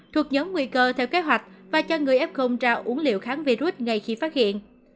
thuộc nhóm nguy cơ theo kế hoạch và cho người ép không trao uống liệu kháng virus ngay khi phát hiện